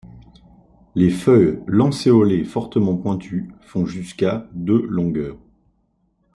Les feuilles lancéolées, fortement pointues font jusqu'à de longueur.